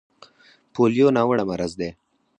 پولیو ناوړه مرض دی.